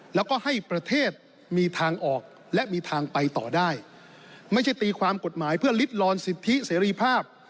แล้วก็ให้ประเทศมีทางออกและมีทางไปต่อได้ไม่ใช่ตีความกฎหมายเพื่อลิดลอนสิทธิเสรีภาพ